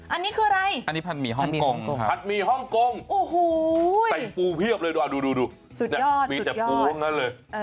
อันนี้คืออะไรผัดหมี่ฮ่องกงครับโอ้โหใส่ปูเพียบเลยดูมีแต่ปูตรงนั้นเลย